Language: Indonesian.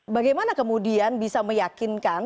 bagaimana kemudian bisa meyakinkan